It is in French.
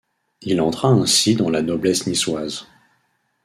Il entra ainsi dans la noblesse niçoise.